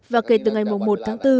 và kể từ ngày mùng một tháng bốn